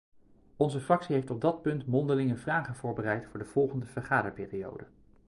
Onze fractie heeft op dat punt mondelinge vragen voorbereid voor de volgende vergaderperiode.